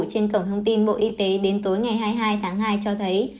trên cổng thông tin bộ y tế đến tối ngày hai mươi hai tháng hai cho thấy